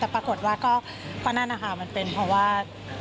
แต่ปรากฏว่าก็นั่นนะคะมันเป็นเพราะว่า